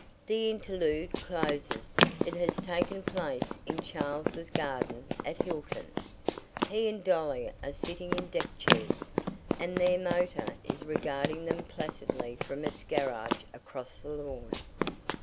The interlude closes. It has taken place in Charles's garden at Hilton. He and Dolly are sitting in deck chairs, and their motor is regarding them placidly from its garage across the lawn.